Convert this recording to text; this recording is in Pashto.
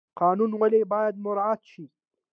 قانون ولې باید مراعات شي؟